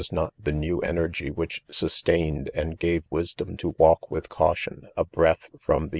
not the new energy which sustained and gave wisdom to w#lkw^|h caution, a breath;' $xbm 'the.